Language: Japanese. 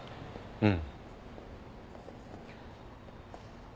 うん。